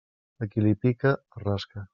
A qui li pica, es rasca.